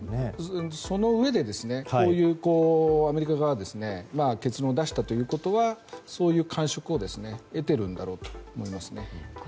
そのうえで、アメリカ側がこういう結論を出したということはそういう感触を得ているんだろうと思います。